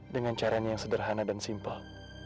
dengan caranya yang sederhana dan simpel